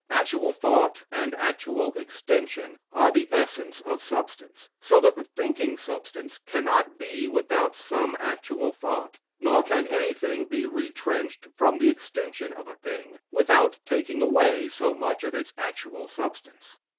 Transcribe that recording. Actual thought and actual extension are the essence of substance, so that the thinking substance cannot be without some actual thought, nor can anything be retrenched from the extension of a thing, without taking away so much of its actual substance.